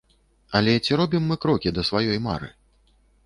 Але ці робім мы крокі да сваёй мары?